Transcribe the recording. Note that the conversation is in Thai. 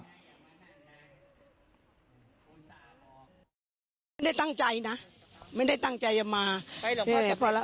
ไม่ได้ตั้งใจนะไม่ได้ตั้งใจจะมาไปหรอกป่ะ